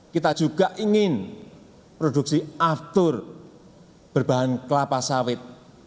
kita juga ingin produksi aftur berbahan kelapa sawit